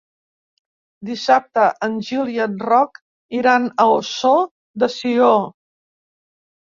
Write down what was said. Dissabte en Gil i en Roc iran a Ossó de Sió.